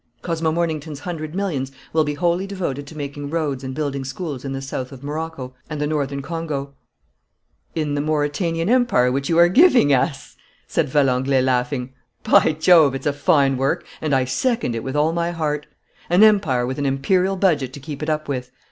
"Cosmo Mornington's hundred millions will be wholly devoted to making roads and building schools in the south of Morocco and the northern Congo." "In the Mauretanian Empire which you are giving us?" said Valenglay, laughing. "By Jove, it's a fine work and I second it with all my heart. An empire and an imperial budget to keep it up with!